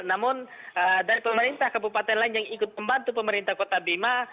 namun dari pemerintah kabupaten lain yang ikut membantu pemerintah kota bima